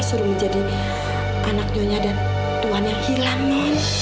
suruh menjadi anak nyonya dan tuan yang hilang non